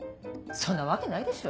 そんなわけないでしょ。